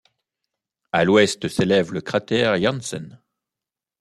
À l'ouest s'élève le cratère Janssen.